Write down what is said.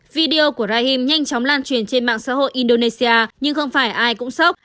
video của brahim nhanh chóng lan truyền trên mạng xã hội indonesia nhưng không phải ai cũng sốc